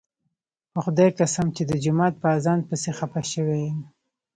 په خدای قسم چې د جومات په اذان پسې خپه شوی یم.